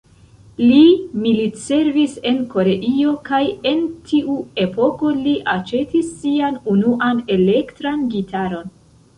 Li militservis en Koreio, kaj en tiu epoko li aĉetis sian unuan elektran gitaron.